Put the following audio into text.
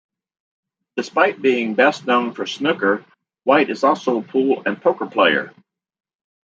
Despite being best known for snooker, White is also a pool and poker player.